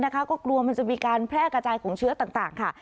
ก็กลัวมันจะมีการแพร่กระจายของเชื้อต่างค่ะ